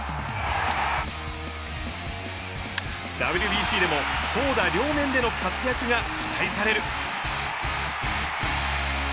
ＷＢＣでも投打両面での活躍が期待される。